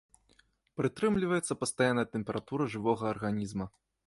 Прытрымліваецца пастаянная тэмпература жывога арганізма.